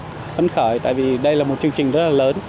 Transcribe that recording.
rất phấn khởi tại vì đây là một chương trình rất là lớn